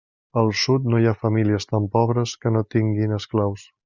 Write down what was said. Al Sud no hi ha famílies tan pobres que no tinguin esclaus.